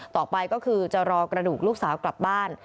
ต่อไปก็คือจะรอกระดูกลูกสาวกลับบ้าน